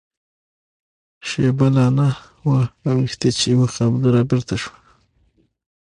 شېبه لا نه وه اوښتې چې يوه قابله را بېرته شوه.